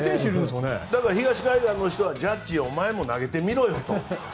東海岸の人は、ジャッジお前も投げてみろと。